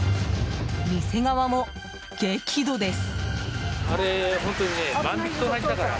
店側も激怒です。